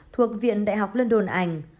thuộc viện đại học london anh